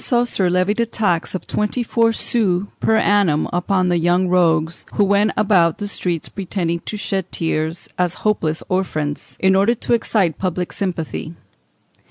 ] The Grand Coesre levied a tax of twenty four sous per annum upon the young rogues, who went about the streets pretending to shed tears (Fig. 374), as "helpless orphans," in order to excite public sympathy.